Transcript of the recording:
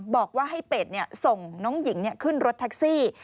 บอกว่าให้เป็ดส่งน้องหญิงขึ้นรถแท็กซี่